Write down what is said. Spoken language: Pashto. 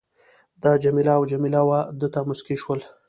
ده جميله او جميله وه ده ته مسکی شول.